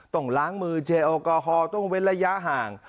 ต้องล้างมือเจียงอากาศต้องเว้นระยะห่าง